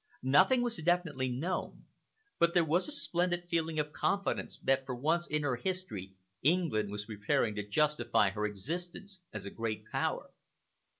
Nothing was definitely known, but there was a splendid feeling of confidence that for once in her history England was preparing to justify her existence as a great Power.